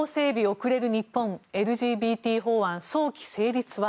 遅れる日本ＬＧＢＴ法案早期成立は？